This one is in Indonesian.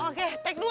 oke take dua